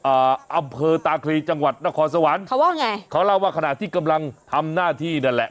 อำเภอตาคลีจังหวัดนครสวรรค์เขาว่าไงเขาเล่าว่าขณะที่กำลังทำหน้าที่นั่นแหละ